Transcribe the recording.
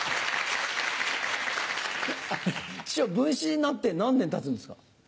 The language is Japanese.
師匠文枝になって何年たつんですか？